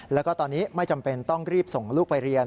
แล้วก็ตอนนี้ไม่จำเป็นต้องรีบส่งลูกไปเรียน